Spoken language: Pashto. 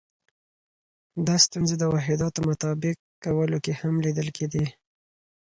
دا ستونزې د واحداتو مطابق کولو کې هم لیدل کېدې.